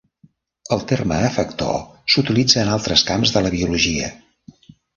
El terme "efector" s'utilitza en altres camps de la biologia.